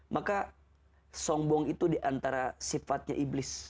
maka sombong itu diantara sifatnya iblis